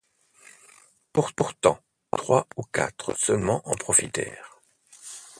Pourtant, trois ou quatre seulement en profitèrent.